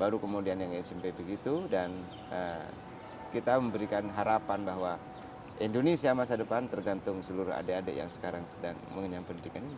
baru kemudian yang smp begitu dan kita memberikan harapan bahwa indonesia masa depan tergantung seluruh adik adik yang sekarang sedang mengenyam pendidikan ini